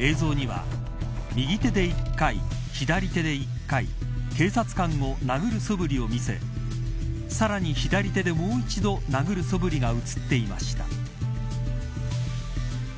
映像には右手で１回左手で１回警察官を殴るそぶりを見せさらに左手でもう一度殴るそぶりが映っていました。